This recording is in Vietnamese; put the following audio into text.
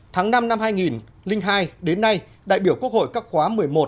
tháng năm năm hai nghìn hai đến nay đại biểu quốc hội các khóa một mươi một một mươi hai một mươi ba một mươi bốn